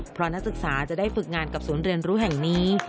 เพราะนักศึกษาจะได้ฝึกงานกับศูนย์เรียนรู้แห่งนี้